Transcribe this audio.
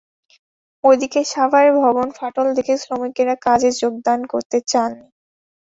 ওদিকে সাভারে ভবনে ফাটল দেখে শ্রমিকেরা কাজে যোগদান করতে চাননি।